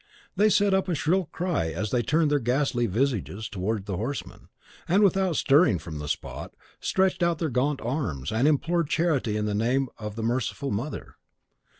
They set up a shrill cry as they turned their ghastly visages towards the horseman; and, without stirring from the spot, stretched out their gaunt arms, and implored charity in the name of the Merciful Mother!